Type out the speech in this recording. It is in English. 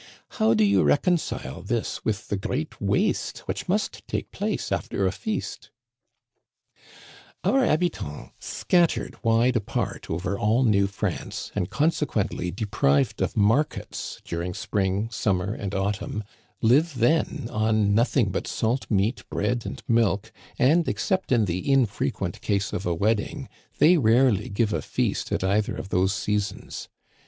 How do you reconcile this with the great waste which must take place after a feast ?" '*Our habitants^ scattered wide apart over all New France, and consequently deprived of markets during spring, summer, and autumn, live then on nothing but salt meat, bread, and milk, and, except in the infrequent case of a wedding, they rarely give a feast at either of those seasons.